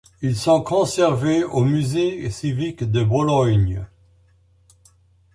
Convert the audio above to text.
Ils sont conservés au musée civique de Bologne.